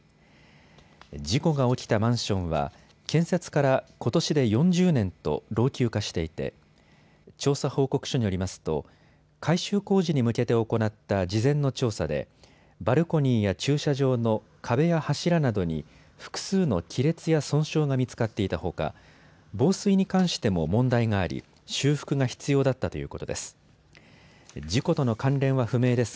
事故が起きたマンションは建設からことしで４０年と老朽化していて調査報告書によりますと改修工事に向けて行った事前の調査でバルコニーや駐車場の壁や柱などに複数の亀裂や損傷が見つかっていたほか防水に関しても問題があり、修復が必要だったということです。